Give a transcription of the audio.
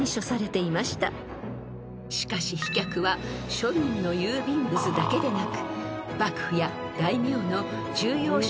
［しかし飛脚は庶民の郵便物だけでなく］